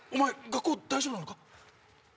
学校大丈夫なのか？